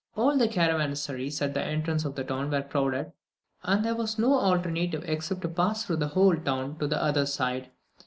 All the caravansaries at the entrance of the town were crowded, and there was no other alternative except to pass through the whole town to the other side.